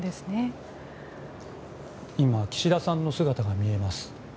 今、岸田さんの姿が見えます。